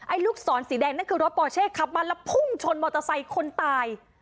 ลูกศรสีแดงนั่นคือรถปอเช่ขับมาแล้วพุ่งชนมอเตอร์ไซค์คนตาย